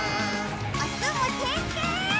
おつむてんてん！